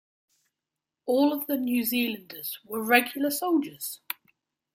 All of the New Zealanders were regular soldiers.